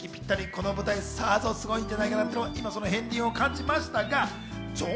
この舞台、さぞすごいんじゃないかと、その片鱗を感じましたが。